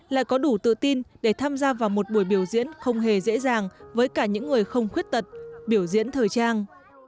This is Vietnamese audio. lại có đủ tự tin để tham gia vào một buổi biểu diễn không hề dễ dàng với cả những người không khuyết tật biểu diễn thời trang